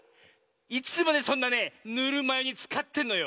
いつまでそんなねぬるまゆにつかってんのよ。